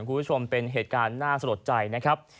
คุณผู้ชมเป็นเหตุการณ์น่าสลดใจนะครับ